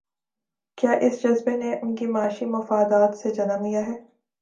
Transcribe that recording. کیا اس جذبے نے ان کے معاشی مفادات سے جنم لیا ہے؟